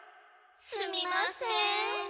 すみません。